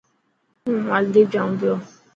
هون مالديپ جائون پيو.